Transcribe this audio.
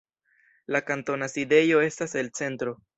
La kantona sidejo estas El Centro.